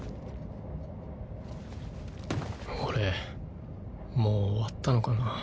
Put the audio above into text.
俺もう終わったのかな。